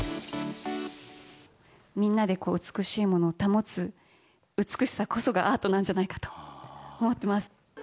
みんなで美しいものを保つ、美しさこそがアートなんじゃないかと思ってます。